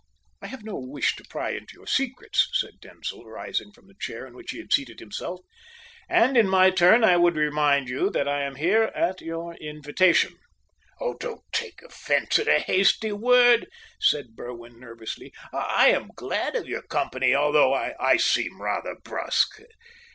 "I have no wish to pry into your secrets," said Denzil, rising from the chair in which he had seated himself, "and in my turn I would remind you that I am here at your invitation." "Don't take offense at a hasty word," said Berwin nervously. "I am glad of your company, although I seem rather brusque.